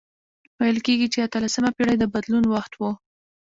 ویل کیږي چې اتلسمه پېړۍ د بدلون وخت و.